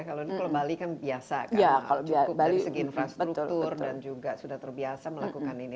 kalau bali kan biasa kan dari segi infrastruktur dan juga sudah terbiasa melakukan ini